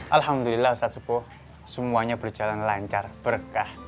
alhamdulillah ustadz subuh semuanya berjalan lancar berkah